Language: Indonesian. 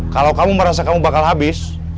kalau kamu merasa kamu bakal habis